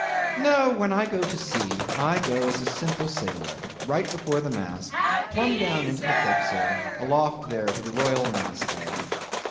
No, when I go to sea, I go as a simple sailor, right before the mast, plumb down into the forecastle, aloft there to the royal mast head.